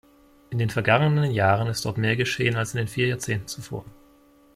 In den vergangen Jahren ist dort mehr geschehen als in den vier Jahrzehnten zuvor.